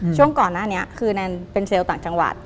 ช่วงก่อนหน้านี้คือแนนเป็นเซลล์ต่างจังหวัด